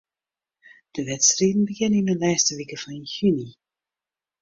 De wedstriden begjinne yn 'e lêste wike fan juny.